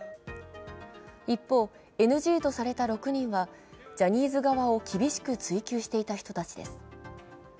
一方、ＮＧとされた６人はジャニーズを厳しく追及していた人たちです。